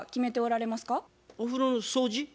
お風呂の掃除。